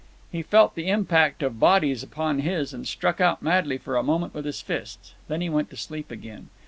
He felt the impact of bodies upon his and struck out madly for a moment with his fists. Then he went to sleep again.